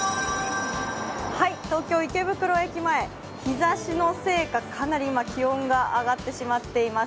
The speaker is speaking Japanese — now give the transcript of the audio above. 東京・池袋駅前、日ざしのせいかかなり今、気温が上がってしまっています。